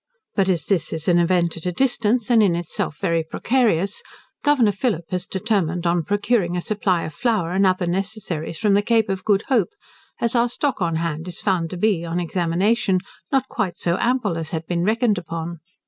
But as this is an event at a distance, and in itself very precarious, Governor Phillip has determined on procuring a supply of flour and other necessaries from the Cape of Good Hope, as our stock on hand is found to be, on examination, not quite so ample as had been reckoned upon.